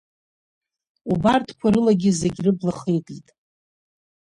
Убарҭқәа рылагьы зегь рыбла хикит.